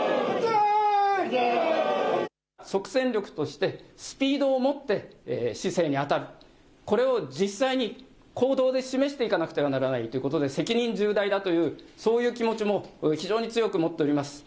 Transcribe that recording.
即戦力としてスピードをもって市政に当たる、これを実際に行動で示していかなければならないということで責任重大だというそういう気持ちも非常に強く持っております。